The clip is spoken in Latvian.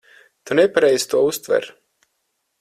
Tu nepareizi to uztver.